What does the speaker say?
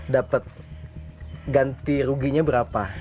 dapat ganti ruginya berapa